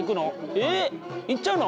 えっいっちゃうの？